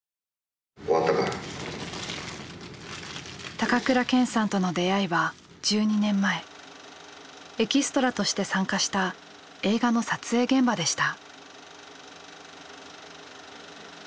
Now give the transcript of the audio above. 高倉健さんとの出会いは１２年前エキストラとして参加した映画の撮影現場でした。